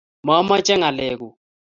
mamache ngalek kuk